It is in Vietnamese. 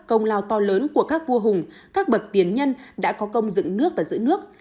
công lao to lớn của các vua hùng các bậc tiền nhân đã có công dựng nước và giữ nước